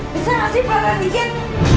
bisa ngasih perang dikit